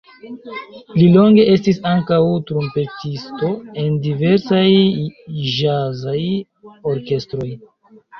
Li longe estis ankaŭ trumpetisto en diversaj ĵazaj orkestroj.